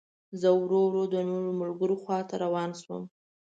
زه ورو ورو د نورو ملګرو خوا ته روان شوم.